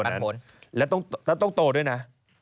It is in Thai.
ระบบธนาภาพแล้วก็ต้องโตนะ